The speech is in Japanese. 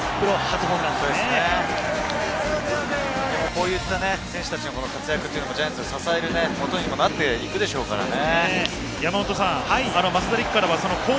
こういった選手たちの活躍がジャイアンツを支えるもとにもなっていくでしょうからね。